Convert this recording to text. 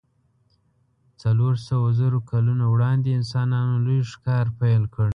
څلور سوو زرو کلونو وړاندې انسانانو لوی ښکار پیل کړ.